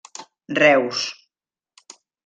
Reus: